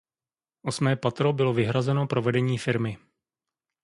Osmé patro bylo vyhrazeno pro vedení firmy.